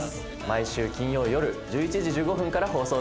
毎週金曜よる１１時１５分から放送です。